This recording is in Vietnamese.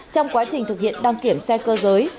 trong quá trình thực hiện đăng kiểm xe cơ giới